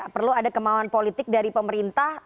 perlu ada kemauan politik dari pemerintah